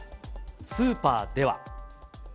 スーパーでは。